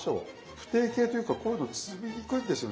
不定形というかこういうの包みにくいんですよね。